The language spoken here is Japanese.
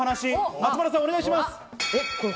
松丸さん、お願いします。